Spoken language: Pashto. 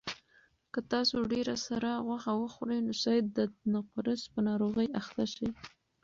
که تاسو ډېره سره غوښه وخورئ نو شاید د نقرس په ناروغۍ اخته شئ.